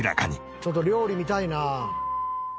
ちょっと料理見たいな。